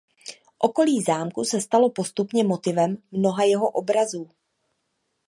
Okolí zámku se stalo postupně motivem mnoha jeho obrazů.